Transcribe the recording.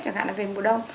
chẳng hạn là về mùa đông